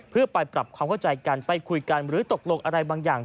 เพื่อไปปรับความเข้าใจกันไปคุยกันหรือตกลงอะไรบางอย่าง